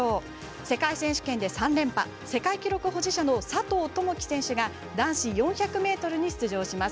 世界選手権で３連覇世界記録保持者の佐藤友祈選手が男子４００ｍに出場します。